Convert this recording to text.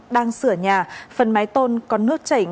đang sửa nhà phần mái tôn có nước chảy